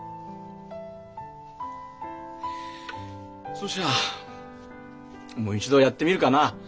そしゃもう一度やってみるかな。